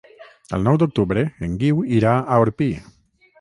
El nou d'octubre en Guiu irà a Orpí.